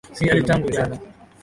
sijala tangu jana